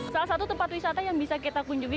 salah satu tempat wisata yang bisa kita kunjungi